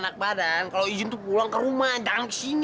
kalau izin pulang ke rumah